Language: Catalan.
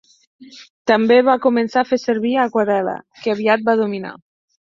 També va començar a fer servir aquarel·la, que aviat va dominar.